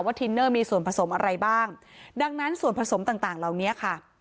ทินเนอร์มีส่วนผสมอะไรบ้างดังนั้นส่วนผสมต่างต่างเหล่านี้ค่ะ